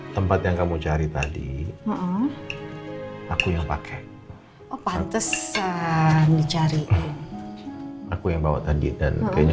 tempat yang kamu cari tadi aku yang pakai oh pantesan dicari aku yang bawa tadi dan kayaknya